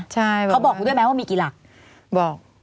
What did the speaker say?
ใช่เขาบอกคุณด้วยไหมว่ามีกี่หลักบอก